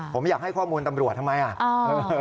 ผมอยากให้ข้อมูลตำรวจทำไมอ่ะ